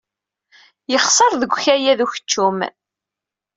Yexser deg ukayad ukeččum.